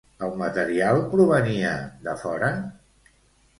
El material provenia de fora?